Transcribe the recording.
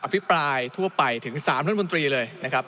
ภิปรายทั่วไปถึง๓รัฐมนตรีเลยนะครับ